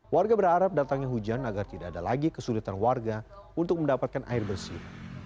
warga berharap datangnya hujan agar tidak ada lagi kesulitan warga untuk mendapatkan air bersih